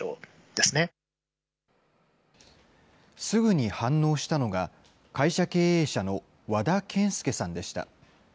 すぐに反応したのが、会社経営者の和田健佑さんでした。